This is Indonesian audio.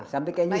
sampai ke end user